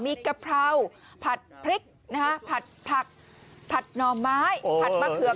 มีกะเพราผัดพริกนะฮะผัดผักผัดหน่อไม้ผัดมะเขือ